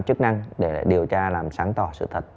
chức năng để điều tra làm sáng tỏ sự thật